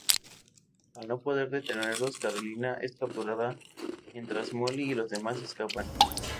Al no poder detenerlos, Karolina es capturada mientras Molly y los demás escapan.